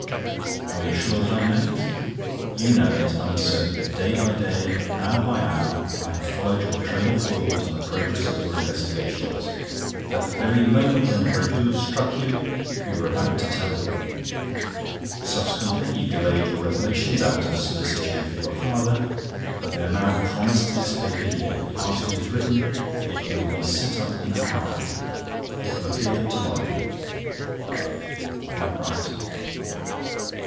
"Are you sure that I know it?" "You know it, I am certain: day by day, hour by hour, I have followed your train of thought and the progress of your investigations. At the very moment when Brédoux struck you, you were about to tell all. Subsequently, you delayed your revelations, out of solicitude for your father. But they are now promised to this paper here. The article is written. It will be set up in an hour. It will appear to morrow." "Quite right."